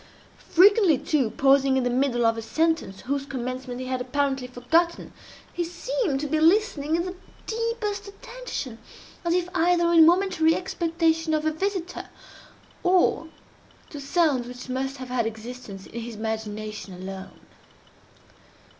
Frequently, too, pausing in the middle of a sentence whose commencement he had apparently forgotten, he seemed to be listening in the deepest attention, as if either in momentary expectation of a visitor, or to sounds which must have had existence in his imagination alone.